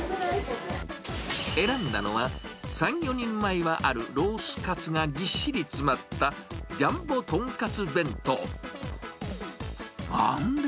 選んだのは、３、４人前はあるロースカツがびっしり詰まったジャンボとんかつ弁当。